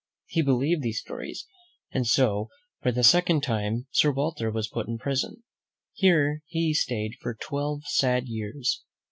He believed these stories, and so, for the second time. Sir Walter was put in prison. Here he stayed for twelve sad years.